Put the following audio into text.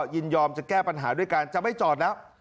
ยินยอมจะแก้ปัญหาด้วยการจะไม่จอดแล้ว